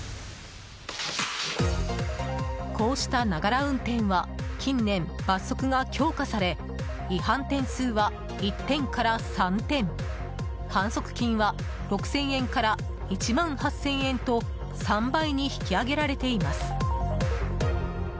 こうした、ながら運転は近年、罰則が強化され違反点数は１点から３点反則金は６０００円から１万８０００円と３倍に引き上げられています。